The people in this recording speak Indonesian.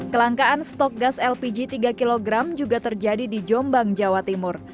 kelangkaan stok gas lpg tiga kg juga terjadi di jombang jawa timur